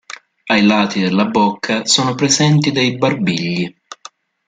Ai lati della bocca sono presenti dei barbigli.